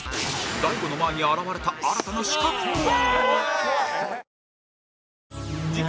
大悟の前に現れた新たな刺客とは